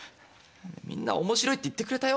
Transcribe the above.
みんな「面白い」って言ってくれたよ。